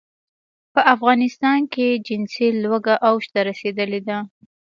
په افغانستان کې جنسي لوږه اوج ته رسېدلې ده.